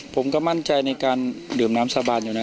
ผมก็มั่นใจในการดื่มน้ำสาบานอยู่นะ